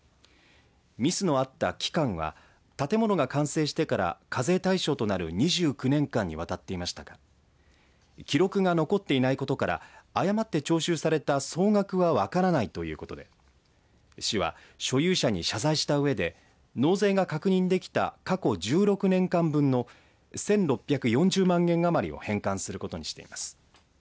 ミスのあった期間は建物が完成してから課税対象となる２９年間にわたっていましたが記録が残っていないことから誤って徴収された総額は分からないということで市は所有者に謝罪したうえで納税が確認できた過去１６年間分の１６４０万円余りを返還することにしています。